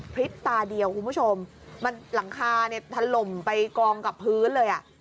พริบตาเดียวคุณผู้ชมมันหลังคาเนี่ยถล่มไปกองกับพื้นเลยอ่ะ